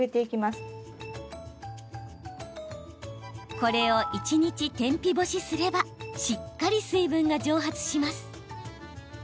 これを一日、天日干しすればしっかり水分が蒸発します。